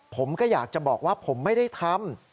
ผมก็อยากจะบอกว่าผมไม่ได้ทำ